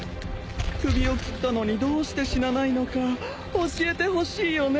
首を斬ったのにどうして死なないのか教えてほしいよね。